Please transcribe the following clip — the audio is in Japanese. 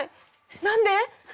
何で？